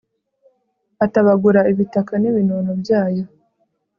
atabagura ibitaka n'ibinono byayo